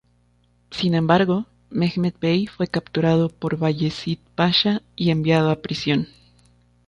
Sin embargo, Mehmet Bey fue capturado por Bayezid Pasha y enviado a prisión.